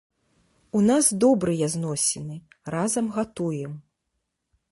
У нас добрыя зносіны, разам гатуем.